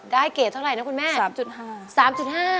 ได้เกตเท่าไหร่นะคุณแม่สามจุดห้าสามจุดห้า